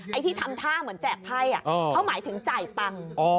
ที่ทำท่าเหมือนแจกไพ่เขาหมายถึงจ่ายตังค์